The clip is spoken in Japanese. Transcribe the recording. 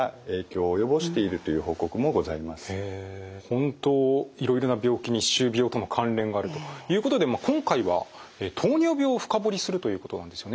本当いろいろな病気に歯周病との関連があるということで今回は糖尿病を深掘りするということなんですよね。